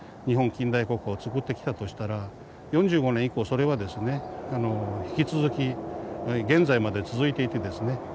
日本近代国家をつくってきたとしたら４５年以降それはですね引き続き現在まで続いていてですね